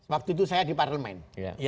waktu itu saya di parlemen